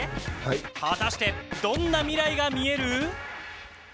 果たして、どんな未来がみえる？